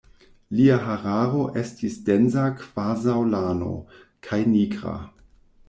Lia hararo estis densa kvazaŭ lano, kaj nigra.